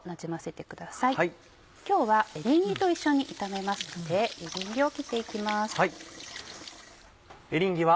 今日はエリンギと一緒に炒めますのでエリンギを切って行きます。